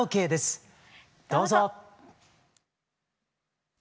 どうぞ。